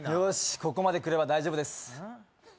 ここまで来れば大丈夫です